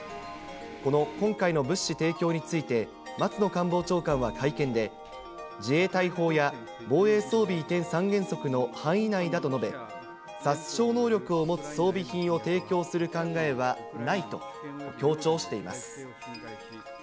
この今回の物資提供について、松野官房長官は会見で、自衛隊法や防衛装備移転三原則の範囲内だと述べ、殺傷能力を持つ装備品を提供する考えはないと強調しています。